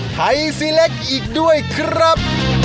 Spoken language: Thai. ไทยซีเล็กอีกด้วยครับ